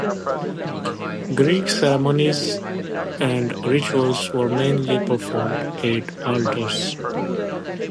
Greek ceremonies and rituals were mainly performed at altars.